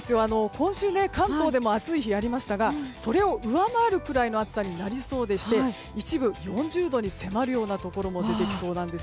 今週関東でも暑い日ありましたがそれを上回るくらいの暑さになりそうでして一部４０度に迫るようなところも出てきそうなんです。